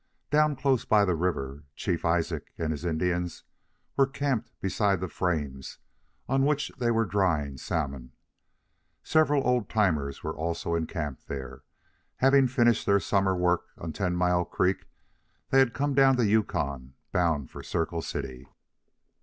Down close by the river, Chief Isaac and his Indians were camped beside the frames on which they were drying salmon. Several old timers were also in camp there. Having finished their summer work on Ten Mile Creek, they had come down the Yukon, bound for Circle City.